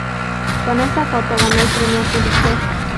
Con esta foto, ganó el premio Pulitzer.